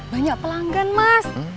banyak pelanggan mas